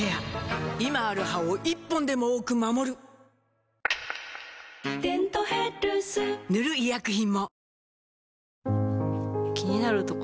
今ある歯を１本でも多く守る「デントヘルス」塗る医薬品も